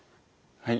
はい。